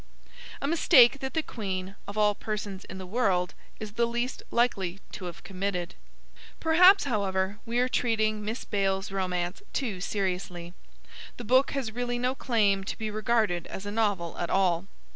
a mistake that the Queen, of all persons in the world, is the least likely to have committed. Perhaps, however, we are treating Miss Bayle's Romance too seriously. The book has really no claim to be regarded as a novel at all.